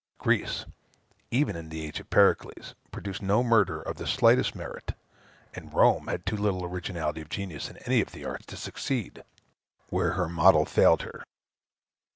Greece, even in the age of Pericles, produced no murder of the slightest merit; and Rome had too little originality of genius in any of the arts to succeed, where her model failed her.